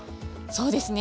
そうですね。